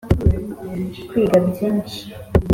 kwiga byinshi,